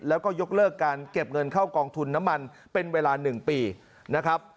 แล้วก็ยกเลิกการเก็บเงินเข้ากองทุนน้ำมันเป็นเวลา๑ปีนะครับ